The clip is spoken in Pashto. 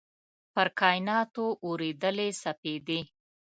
پر کایناتو اوريدلي سپیدې